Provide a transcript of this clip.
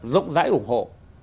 rộng rãi ủng hộ